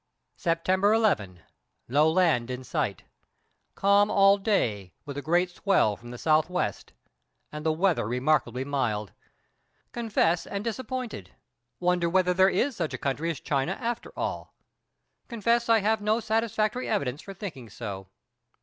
September 11. No land in sight. Calm all day, with a great swell from the S.W., and the weather remarkably mild. Confess am disappointed; wonder whether there is such a country as China after all. Confess I have no satisfactory evidence for thinking so.